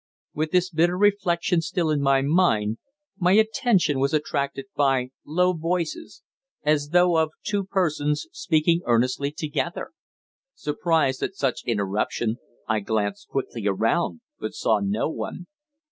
With this bitter reflection still in my mind, my attention was attracted by low voices as though of two persons speaking earnestly together. Surprised at such interruption, I glanced quickly around, but saw no one.